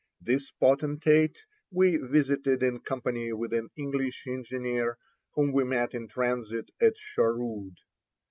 This potentate we visited in company with an English engineer whom we met in transit at Sharoud.